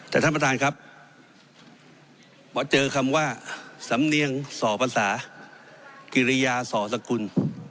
แต่ท่านประธานครับมาเจอคำว่าสำเนียงส่อภาษากิริยาสอสกุล